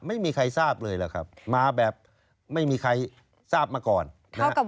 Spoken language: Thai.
ไม่มีใครทราบเลยหรอกครับมาแบบไม่มีใครทราบมาก่อนนะครับ